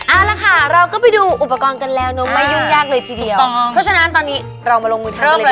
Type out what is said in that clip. เอาละค่ะเราก็ไปดูอุปกรณ์กันแล้วเนอะไม่ยุ่งยากเลยทีเดียวเพราะฉะนั้นตอนนี้เรามาลงมือทำกันเลยค่ะ